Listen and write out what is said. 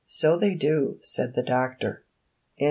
"So they do," said the doctor. 35 X.